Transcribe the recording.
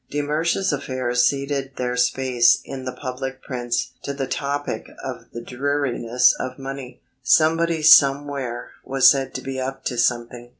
De Mersch's affairs ceded their space in the public prints to the topic of the dearness of money. Somebody, somewhere, was said to be up to something.